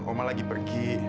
oma lagi pergi